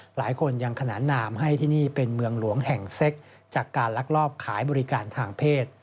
หลายคนยังขนานนามให้ที่นี่เป็นเมืองหลวงแห่งเซ็กจากการลักลอบขายบริการทางเพศ